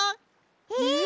えっ！？